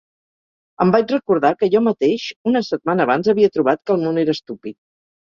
Em vaig recordar que jo mateix, una setmana abans, havia trobat que el món era estúpid.